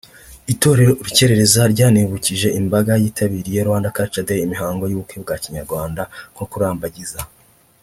Itorero urukerereza ryanibukije imbaga yitabiriye Rwanda Cutural Day imihango y’ubukwe bwa Kinyarwanda nko kurambagiza